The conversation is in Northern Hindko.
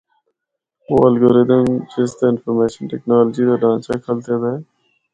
او الگورتھم جس تے انفارمیشن ٹیکنالوجی دا ڈھانچہ کھلتیا دا ہے۔